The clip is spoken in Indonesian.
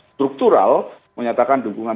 struktural menyatakan dukungan